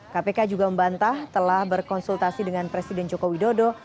kpk juga membantah telah berkonsultasi dengan presiden joko widodo